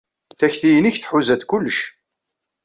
Takti-nnek tḥuza-d kullec.